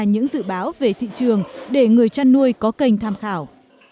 những dự báo về thị trường để người chăn nuôi có kênh tham khảo